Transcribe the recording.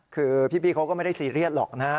คือพี่เขาก็ไม่ได้ซีเรียสหรอกนะฮะ